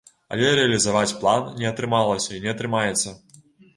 Але рэалізаваць план не атрымалася і не атрымаецца.